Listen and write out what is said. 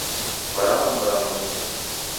Warama mramo nicha.